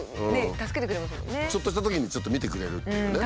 ちょっとしたときに見てくれるっていうね。